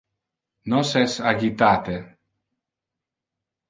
Nos es agitate.